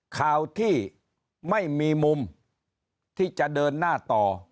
ข่าวที่ไม่มีมุมที่จะเดินหน้าต่อ